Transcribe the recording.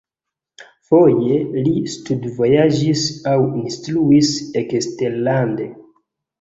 Foje li studvojaĝis aŭ instruis eksterlande.